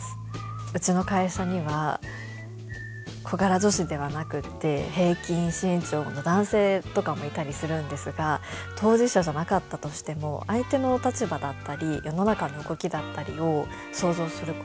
うちの会社には小柄女子ではなくって平均身長の男性とかもいたりするんですが当事者じゃなかったとしても相手の立場だったり世の中の動きだったりを想像すること